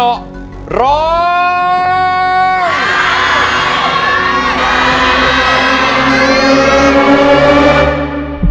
โทษให้โทษให้โทษให้โทษให้